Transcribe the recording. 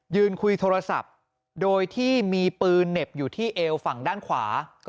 ยืนคุยโทรศัพท์โดยที่มีปืนเหน็บอยู่ที่เอวฝั่งด้านขวา